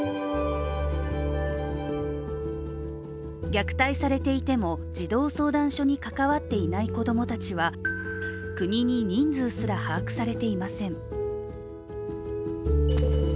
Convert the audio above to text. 虐待されていても児童相談所に関わっていない子供たちは、国に人数すら把握されていません。